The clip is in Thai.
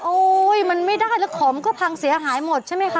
โอ๊ยมันไม่ได้แล้วของมันก็พังเสียหายหมดใช่ไหมคะ